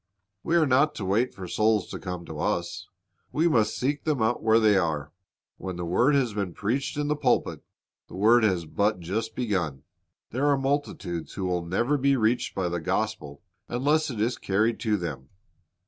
We are not to wait for souls to come to us; we must seek them out where they are. When the word has been preached in the j^ulpit, the work has but just begun. There are multitudes who will never be reached by the gospel unless it is carried to them.